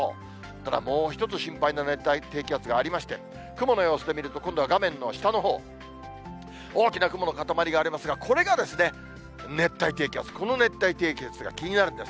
ただもう１つ心配な熱帯低気圧がありまして、雲の様子で見ると、今度は画面の下のほう、大きな雲の固まりがありますが、これが熱帯低気圧、この熱帯低気圧が気になるんです。